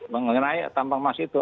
mengenai tambang emas itu